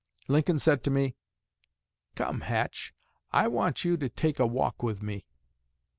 Lincoln said to me, 'Come, Hatch, I want you to take a walk with me.'